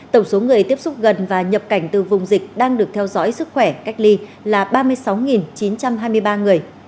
tổng số người tiếp xúc gần và nhập cảnh từ vùng dịch đang được theo dõi sức khỏe cách ly là ba mươi sáu chín trăm hai mươi ba người